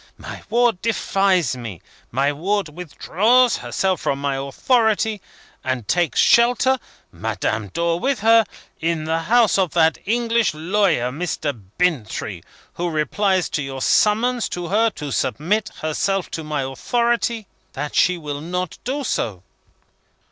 My ward defies me. My ward withdraws herself from my authority, and takes shelter (Madame Dor with her) in the house of that English lawyer, Mr. Bintrey, who replies to your summons to her to submit herself to my authority, that she will not do so."